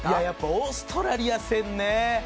やっぱオーストラリア戦ね。